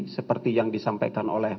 seperti yang disampaikan oleh